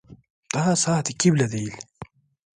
Daha saat iki bile değildi.